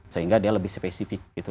sehingga dia lebih spesifik gitu